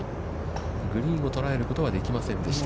グリーンを捉えることはできませんでした。